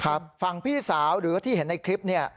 ครับฟังพี่สาวหรือว่าที่เห็นในคลิปเนี้ย